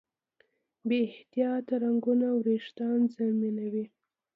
بې احتیاطه رنګونه وېښتيان زیانمنوي.